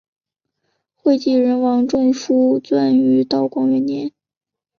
会稽人王仲舒撰于道光元年。